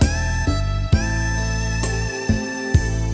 มึงอยากไปหาแสน